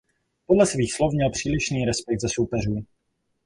Podle svých slov měl přílišný respekt ze soupeřů.